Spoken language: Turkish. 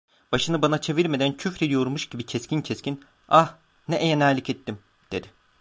Başını bana çevirmeden, küfrediyormuş gibi keskin keskin: "Ah… ne enayilik ettim!" dedi.